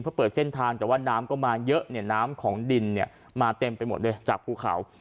เพื่อเปิดเส้นทางแต่ว่าน้ำก็มาเยอะเนี่ยน้ำของดินเนี่ยมาเต็มไปหมดเลยจากภูเขา